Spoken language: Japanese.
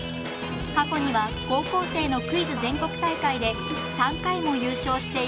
過去には高校生のクイズ全国大会で３回も優勝している浦和高校。